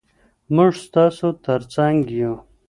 موږ ستاسو تر څنګ یو.